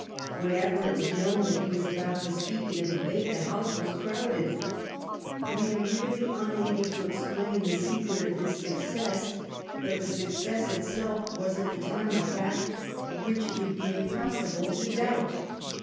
Whenever it was known that he was about to speak in a debate, the House was crowded. I am really unable to explain the secret of his success, but the success itself was at the time a fact which it would be impossible to doubt.